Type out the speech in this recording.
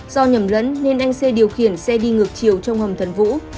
do nhầm lẫn nên anh xe điều khiển xe đi ngược chiều trong hầm thần vũ